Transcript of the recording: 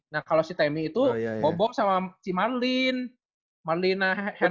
nah kalau si temi itu bom bom sama si marlin marlin hermama